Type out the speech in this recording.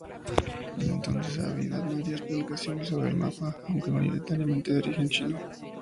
Desde entonces ha habido varias publicaciones sobre el mapa, aunque mayoritariamente de origen chino.